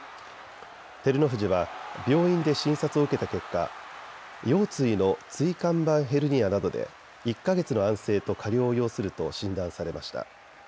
照ノ富士は病院で診察を受けた結果、腰椎の椎間板ヘルニアなどで１か月の安静と加療を要すると診断されました。